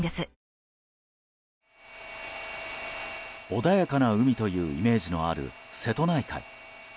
穏やかな海というイメージのある瀬戸内海。